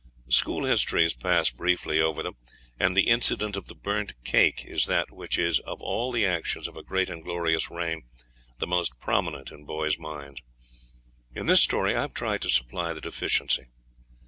School histories pass briefly over them; and the incident of the burned cake is that which is, of all the actions of a great and glorious reign, the most prominent in boys' minds. In this story I have tried to supply the deficiency.